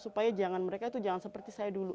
supaya jangan mereka itu jangan seperti saya dulu